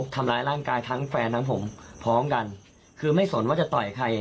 ทำร้ายร่างกายทั้งแฟนทั้งผมพร้อมกันคือไม่สนว่าจะต่อยใคร